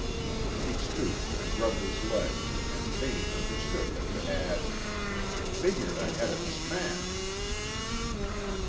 He stooped and rubbed his leg, and Vane understood him to add: "Figured I had it smashed."